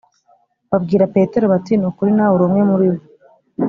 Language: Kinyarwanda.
babwira Petero bati “Ni ukuri nawe uri umwe muri bo